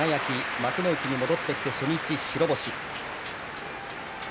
幕内に戻ってきた初日、白星。